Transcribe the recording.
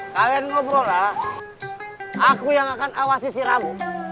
kalian ngobrol lah aku yang akan awasi si ramu